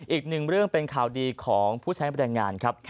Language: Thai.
อีกหนึ่งเรื่องเป็นข่าวดีของผู้ใช้แรงงานครับ